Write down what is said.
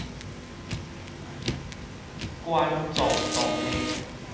冠狀動脈